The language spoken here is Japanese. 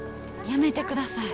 やめてください。